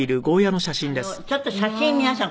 「ちょっと写真皆さん